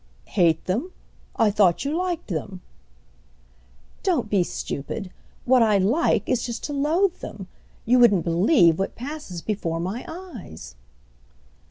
"Hate them? I thought you liked them." "Don't be stupid. What I 'like' is just to loathe them. You wouldn't believe what passes before my eyes."